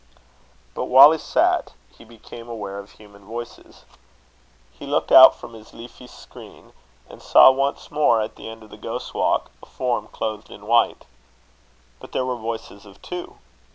But while he sat, he became aware of human voices. He looked out from his leafy screen, and saw once more, at the end of the Ghost's Walk, a form clothed in white. But there were voices of two.